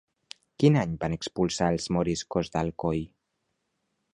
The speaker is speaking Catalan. Quin any van expulsar els moriscos d'Alcoi?